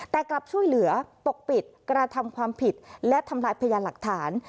แต่กลับช่วยเหลือปกปิดกระทำความผิดและทำลายพยานหลักฐาน